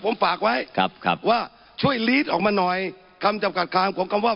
ผมฝากไว้ครับครับว่าช่วยลีดออกมาหน่อยคำจำกัดคามของคำว่า